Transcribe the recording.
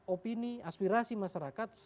opini aspirasi masyarakat